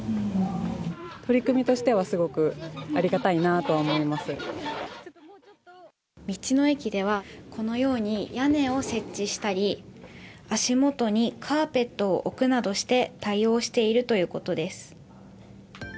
取り組みとしてはすごくあり道の駅ではこのように、屋根を設置したり、足元にカーペットを置くなどして対応しているということです。